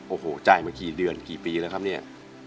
โอ้โหจ่ายมากี่เดือนกี่ปีแล้วครับเนี่ย